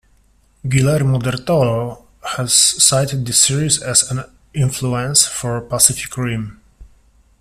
Guillermo Del Toro has cited the series as an influence for "Pacific Rim".